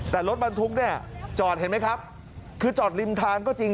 แต่รถบรรทุกเนี่ยจอดเห็นไหมครับคือจอดริมทางก็จริง